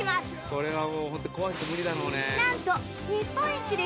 これはもうホント怖くて無理だろうね。